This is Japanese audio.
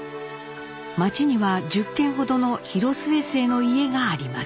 町には１０軒ほどの広末姓の家があります。